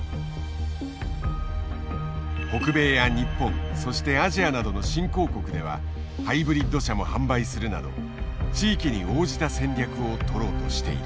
北米や日本そしてアジアなどの新興国ではハイブリッド車も販売するなど地域に応じた戦略を取ろうとしている。